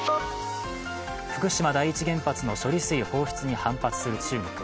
福島第一原発の処理水放出に反発する中国。